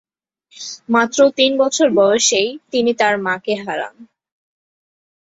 মাত্র তিন বছর বয়সেই তিনি তার মাকে হারান।